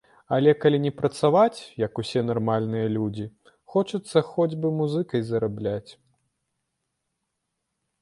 І калі не працаваць, як усе нармальныя людзі, хочацца хоць бы музыкай зарабляць.